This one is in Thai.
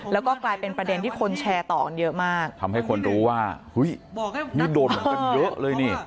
แล้วก็กลายเป็นประเด็นที่คนแชร์ต่อกันเยอะมากทำให้คนรู้ว่าเฮ้ยนี่โดนเหมือนกันเยอะเลยนี่